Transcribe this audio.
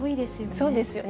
そうですよね。